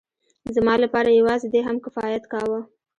زما لپاره يوازې دې هم کفايت کاوه.